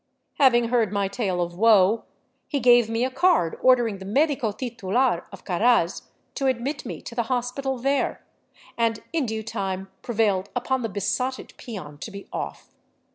Having heard my tale of woe, he gave me a card order ing the medico titular of Caraz to admit me to the hospital there, and in due time prevailed upon the besotted peon to be off.